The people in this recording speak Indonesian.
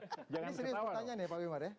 ini serius pertanyaan ya pak wimar ya